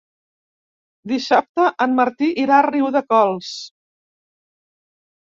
Dissabte en Martí irà a Riudecols.